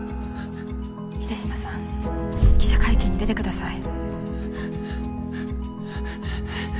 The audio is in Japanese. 秀島さん記者会見に出てください